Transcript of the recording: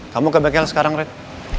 kamu ke bnkl sekarang rick